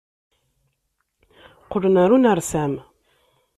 Qqlen ɣer unersam.